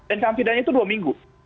ancaman pidana itu dua minggu